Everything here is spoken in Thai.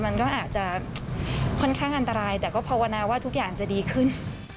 มันก็อาจจะค่อนข้างอันตรายแต่ก็ภาวนาว่าทุกอย่างจะดีขึ้น